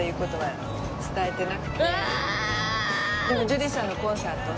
ジュリーさんのコンサート